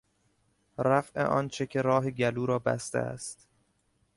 رفع آنچه که راه گلو را بسته است